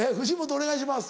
お願いします。